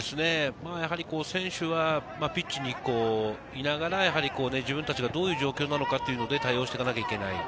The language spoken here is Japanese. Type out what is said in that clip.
選手はピッチにいながら自分たちがどういう状況なのか、対応しなきゃいけない。